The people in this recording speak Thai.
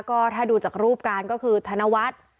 ก็ถ้าดูจากรูปการก็คือธนวัฒน์